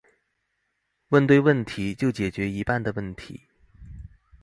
問對問題，就解決一半的問題